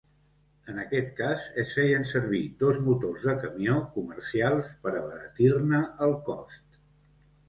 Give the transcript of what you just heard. En aquest cas es feien servir dos motors de camió comercials per abaratir-ne el cost.